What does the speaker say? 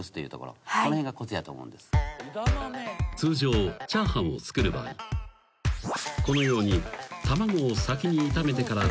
［通常チャーハンを作る場合このように］